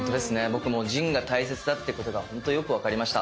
僕も腎が大切だってことがほんとよく分かりました。